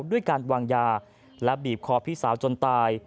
ด้วยการวางยาและบีบคอพี่สาวจนตาย